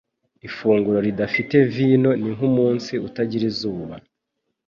Ifunguro ridafite vino ni nkumunsi utagira izuba.